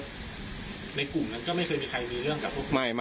ในกลุ่มนั้นก็ไม่เคยมีใครมีเรื่องกับพวกมายมาก